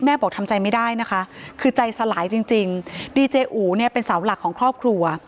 บอกทำใจไม่ได้นะคะคือใจสลายจริงจริงดีเจอูเนี่ยเป็นเสาหลักของครอบครัว